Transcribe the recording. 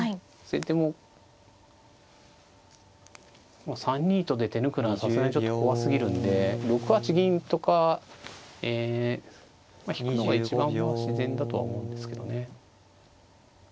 先手も３二とで手抜くのはさすがにちょっと怖すぎるんで６八銀とか引くのが一番自然だとは思うんですけどね。